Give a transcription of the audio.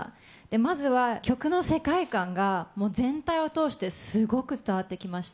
まずは、曲の世界観がもう全体を通してすごく伝わってきました。